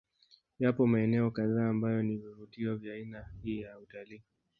Yapo maeneo kadhaa ambayo ni vivutio vya aina hii ya Utalii